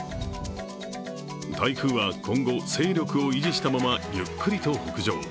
台風は今後、勢力を維持したままゆっくりと北上。